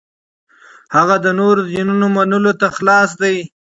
هغه د نورو دینونو منلو ته خلاص دی.